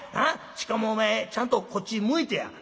しかもお前ちゃんとこっち向いてや。